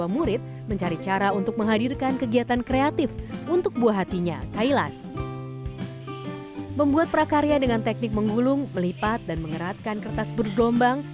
membuat prakarya dengan teknik menggulung melipat dan mengeratkan kertas bergelombang